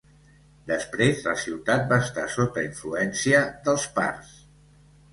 Després, la ciutat va estar sota influència dels parts.